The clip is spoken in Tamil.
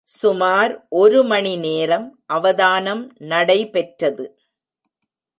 சுமார் ஒருமணி நேரம் அவதானம் நடைபெற்றது.